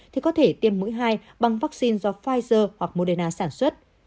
thì có thể tiêm mũi hai bằng vaccine do pfizer hoặc moderna sản xuất